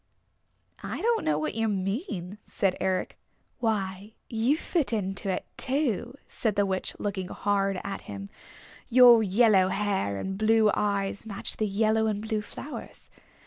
"I don't know what you mean," said Eric. "Why, you fit into it, too," said the Witch, looking hard at him. "Your yellow hair and blue eyes match the yellow and blue flowers.